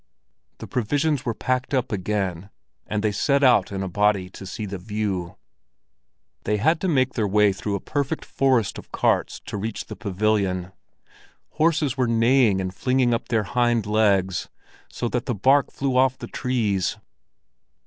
The provisions were packed up again, and they set out in a body to see the view. They had to make their way through a perfect forest of carts to reach the pavilion. Horses were neighing and flinging up their hind legs, so that the bark flew off the trees.